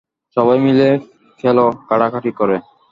সবাই মিলে খেল কাড়াকাড়ি করে।